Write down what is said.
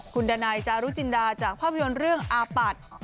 คุณดานัยจารุจินดาจากภาพยนตร์เรื่องอาปัตย์